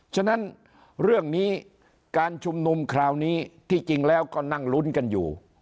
ฉะนั้นเรื่องนี้การชุมนุมคราวนี้ที่จริงแล้วก็นั่งลุ้นกันอยู่